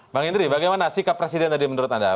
bang henry bagaimana sikap presiden tadi menurut anda